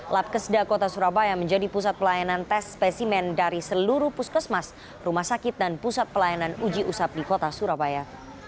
lab keseda kota surabaya menjadi pusat pelayanan tes spesimen dari seluruh puskesmas rumah sakit dan pusat pelayanan uji usap di kota surabaya